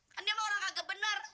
kan dia mah orang kagak benar